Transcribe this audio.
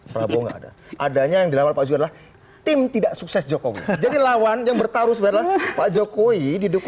prabowo enggak ada adanya yang dilamar pak jokowi adalah tim tidak sukses jokowi jadi lawan yang bertaruh sebenarnya pak jokowi didukung oleh jokowi itu menangis